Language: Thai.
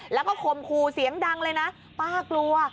แล้วก็คมครูเสียงดังเลยนะป้ากลัว